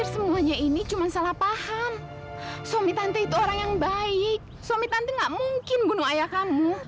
sampai jumpa di video selanjutnya